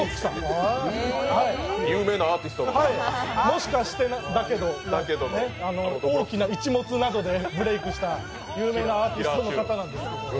「もしかしてだけど」、「大きなイチモツ」などでブレークした有名なアーティストの方なんですけど。